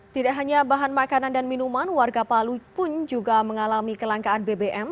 tidak hanya bahan makanan dan minuman warga palu pun juga mengalami kelangkaan bbm